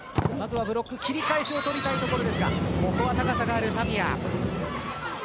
切り返しを取りたいところですがここは高さがあるタピア。